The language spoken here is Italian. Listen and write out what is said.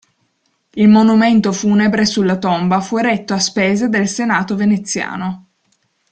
Il monumento funebre sulla tomba fu eretto a spese del Senato veneziano.